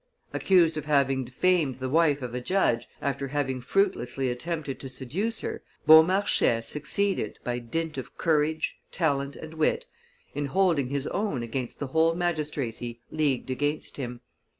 Accused of having defamed the wife of a judge, after having fruitlessly attempted to seduce her, Beaumarchais succeeded, by dint of courage, talent, and wit, in holding his own against the whole magistracy leagued against him.